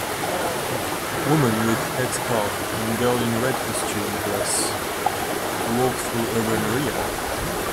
Woman with headscarf and girl in red costume dress walk through urban area